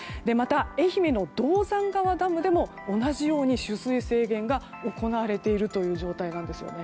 また、愛媛の銅山川ダムでも同じように取水制限が行われているという状態です。